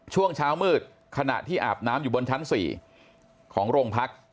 ช่วงเช้ามืดขณะที่อาบน้ำอยู่บนชั้น๔ของโรงพัก